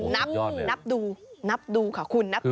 นับนับดูนับดูค่ะคุณนับดู